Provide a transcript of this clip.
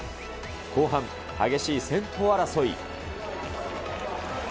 後半、激しい先頭争い。